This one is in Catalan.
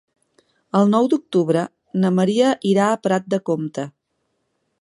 El nou d'octubre na Maria irà a Prat de Comte.